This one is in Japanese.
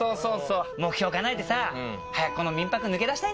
目標かなえてさ早くこの民泊抜け出したいんだよね。